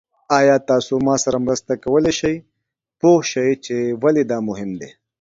ایا تاسو ما سره مرسته کولی شئ پوه شئ چې ولې دا مهم دی؟